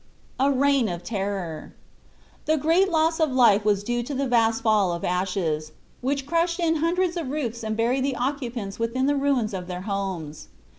A REIGN OF TERROR. The great loss of life was due to the vast fall of ashes, which crushed in hundreds of roofs and buried the occupants within the ruins of their homes.